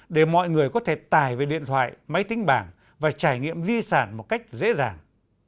để mọi người có thể tài về điện thoại máy tính bảng và trải nghiệm di sản một cách dễ dàng